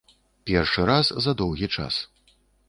Першы раз за доўгі час.